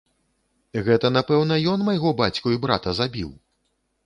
Гэта, напэўна, ён майго бацьку і брата забіў?